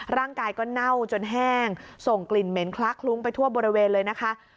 ร่างกายก็เน่าจนแห้งส่งกลิ่นเหม็นคลักคลุ้งไปทั่วบริเวณเลยนะคะ